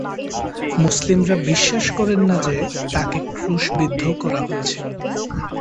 মুসলিমরা বিশ্বাস করেন না যে, তাঁকে ক্রুশবিদ্ধ করা হয়েছিল।